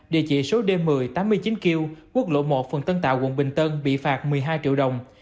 địa chỉ số d một mươi tám mươi chín kiều quốc lộ một phường tân tạo quận bình tân bị phạt một mươi hai triệu đồng